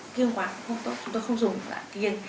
kiên quả cũng không tốt chúng tôi không dùng là kiên